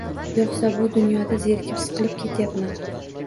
Yoʻqsa bu dunyoda zerikib, siqilib ketyapman.